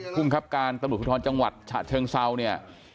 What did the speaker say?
คุมครับการตำรวจผู้ท้อนจังหวัดเชิงเศร้าเนี่ย